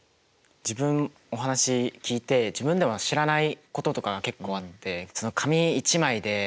自分お話聞いて自分でも知らないこととかが結構あって。